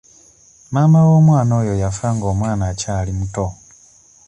Maama w'omwana oyo yafa nga omwana akyali muto.